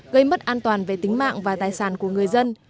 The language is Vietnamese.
gây mất an toàn về tính mạng và tài sản của người dân